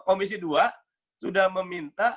komisi dua sudah meminta